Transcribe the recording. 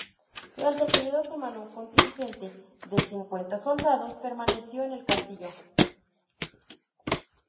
Durante el periodo otomano, un contingente de cincuenta soldados permaneció en el castillo.